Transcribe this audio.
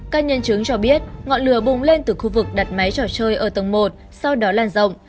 các nhân chứng cho biết ngọn lửa bùng lên từ khu vực đặt máy trò chơi ở tầng một sau đó làn rộng